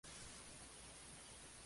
Desarmar al md.